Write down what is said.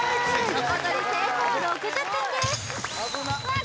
横取り成功６０点です危なっ